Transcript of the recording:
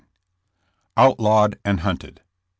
OUTLAWED AND HUNTED.